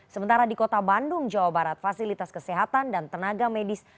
sementara di kota bandung jawa barat fasilitas kesehatan dan tenaga medis